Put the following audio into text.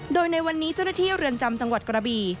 โดยในวันนี้เจ้าหน้าที่เรือนจำจังหวัดกระบี